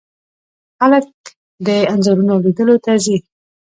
خلک د انځورونو لیدلو ته ځي.